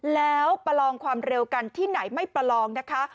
แล้วประลองความเร็วกันที่ไหนไม่ประลองนะคะ